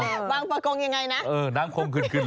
วางประกงยังไงนะ